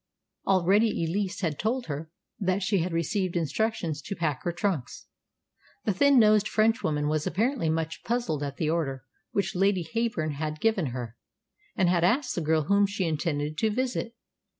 Already Elise had told her that she had received instructions to pack her trunks. The thin nosed Frenchwoman was apparently much puzzled at the order which Lady Heyburn had given her, and had asked the girl whom she intended to visit.